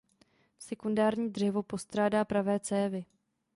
Sekundární dřevo postrádá pravé cévy.